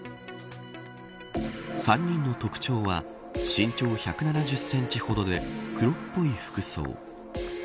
３人の特徴は身長１７０センチほどで黒っぽい服装。